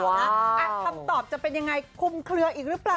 คำตอบจะเป็นยังไงคุมเคลืออีกหรือเปล่า